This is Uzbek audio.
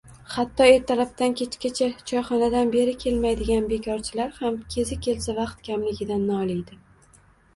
Hatto ertalabdan kechgacha choyxonadan beri kelmaydigan bekorchilar ham, kezi kelsa, vaqt kamligidan noliydi.